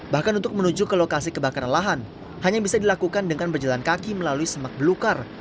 bahkan untuk menuju ke lokasi kebakaran lahan hanya bisa dilakukan dengan berjalan kaki melalui semak belukar